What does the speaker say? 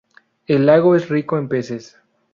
El lago es rico en peces.